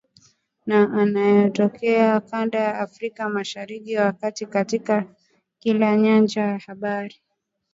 na yanayotokea kanda ya Afrika Mashariki na Kati katika kila nyanja ya habari